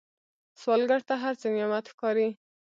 سوالګر ته هر څه نعمت ښکاري